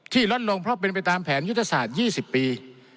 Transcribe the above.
ลดลงเพราะเป็นไปตามแผนยุทธศาสตร์๒๐ปี